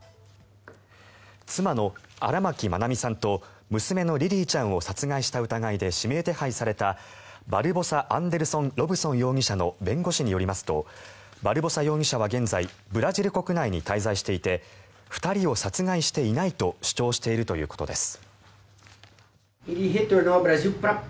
妻の荒牧愛美さんと娘のリリィちゃんを殺害した疑いで指名手配されたバルボサ・アンデルソン・ロブソン容疑者の弁護士によりますとバルボサ容疑者は現在ブラジル国内に滞在していて２人を殺害していないと主張しているということです。